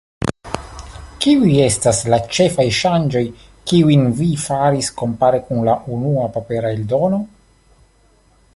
Kiuj estas la ĉefaj ŝanĝoj, kiujn vi faris kompare kun la unua papera eldono?